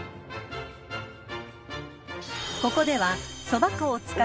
［ここでは］